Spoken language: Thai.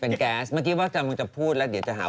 เป็นแก๊สเมื่อกี้ว่ากำลังจะพูดแล้วเดี๋ยวจะหา